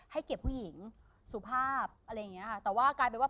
ให้เกียรติผู้หญิงสุภาพอะไรอย่างเงี้ยค่ะแต่ว่ากลายเป็นว่า